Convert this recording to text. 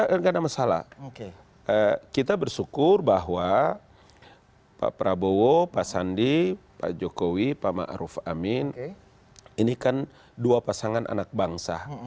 tidak ada masalah kita bersyukur bahwa pak prabowo pak sandi pak jokowi pak ⁇ maruf ⁇ amin ini kan dua pasangan anak bangsa